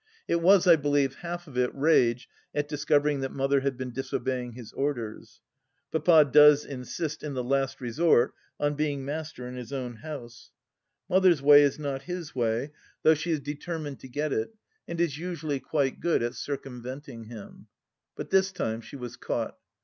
It was, I believe, half of it rage at discovering that Mother had been disobeying his orders. Papa does insist, in the last resort, on being master in his own house. Mother's way is not his way, though she 118 THE LAST DITCH is determined to get it, and is usually quite good at circum venting him. But this time she was caught.